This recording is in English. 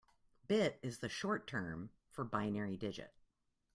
Bit is the short term for binary digit.